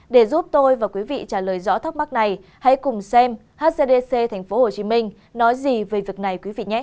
để giúp tôi và quý vị trả lời rõ thắc mắc này hãy cùng xem hcdc tp hcm nói gì về việc này